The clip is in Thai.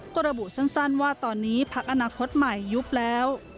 ก็ระบุสั้นว่าตอนนี้พักอนาคตใหม่ยุบแล้ว